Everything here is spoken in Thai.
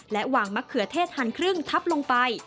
หวางมะเขือเทศหันครึ่งทับลงไป